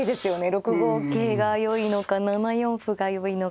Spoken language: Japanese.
６五桂がよいのか７四歩がよいのか。